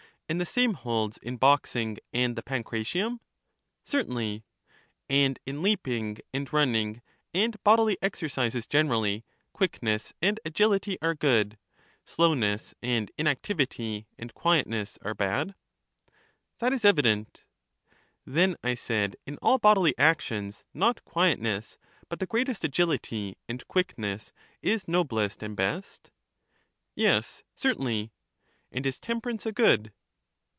And the same holds in boxing and the pancratium? 16 CHARMIDES Certainly. And in leaping and running, and bodily exercises generally, quickness and agility are good; slowness, and inactivity, and quietness, are bad? That is evident. Then, I said, in all bodily actions, not quietness, but the greatest agility and quickness, is noblest and best? Yes, certainly. And is temperance a good?